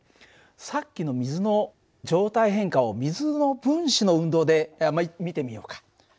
さっきの水の状態変化を水の分子の運動で見てみようか。